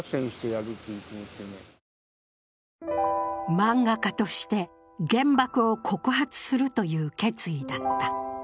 漫画家として原爆を告発するという決意だった。